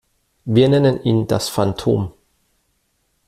Wir nennen ihn das Phantom.